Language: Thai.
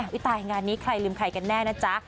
ตายงานนี้ใครลืมใครกันแน่นะจ๊ะ